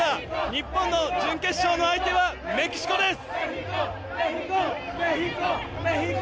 日本の準決勝の相手はメキシコです。